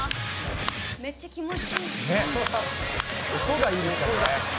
音がいいですからね。